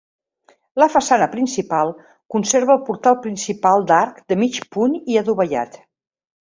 La façana principal conserva el portal principal d'arc de mig punt i adovellat.